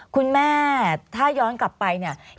คุณแม่ถ้าย้อนกลับไปเนี่ย